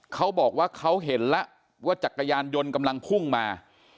เขาบอกว่าเขาเห็นแล้วว่าจักรยานยนต์กำลังพุ่งมา